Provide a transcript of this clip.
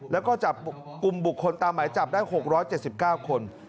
แล้วก็จับกลุ่มบุคคลตามหมายจับได้๖๗๙คน